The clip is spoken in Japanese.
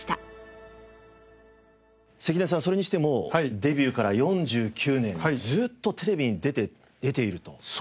それにしてもデビューから４９年ずっとテレビに出ていると。